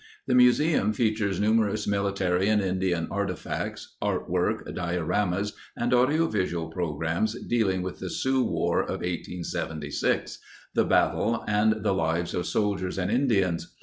The museum fea tures numerous military and Indian artifacts, artwork, dioramas, and audiovisual programs dealing with the Sioux War of 1876, the battle, and the lives of soldiers and Indians.